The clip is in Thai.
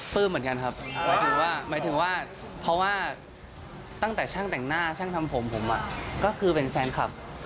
เหมือนกันครับหมายถึงว่าหมายถึงว่าเพราะว่าตั้งแต่ช่างแต่งหน้าช่างทำผมผมก็คือเป็นแฟนคลับ